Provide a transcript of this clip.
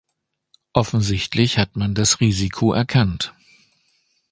Offensichtlich hat man das Risiko erkannt.